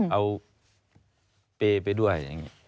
เอาเปรย์ไปด้วย